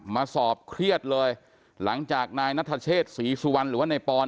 มาสอบเครียดเลยหลังจากนายนัทเชษศรีสุวรรณหรือว่าในปอน